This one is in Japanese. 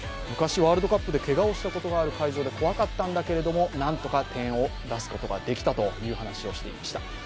昔、ワールドカップでけがをしたことがある会場で怖かったんだけれども、何とか点を出すことができたという話をしていました。